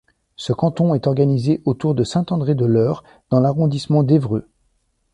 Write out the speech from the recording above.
Ce canton est organisé autour de Saint-André-de-l'Eure dans l'arrondissement d'Évreux.